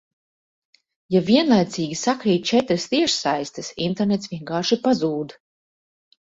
Ja vienlaicīgi sakrīt četras tiešsaistes, internets vienkārši pazūd...